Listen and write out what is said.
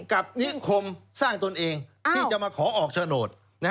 กับนิคมสร้างตนเองที่จะมาขอออกโฉนด